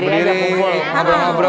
berdiri aja ngabrol ngabrol